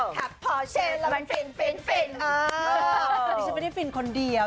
ขับเลวเปิ้ลฟินฟินฟินเอ้อค่ะอันนี้ฉันไม่ได้ฟินคนเดียว